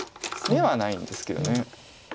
眼はないんですけど。